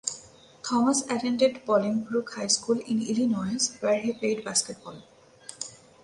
Thomas attended Bolingbrook High School in Illinois where he played basketball.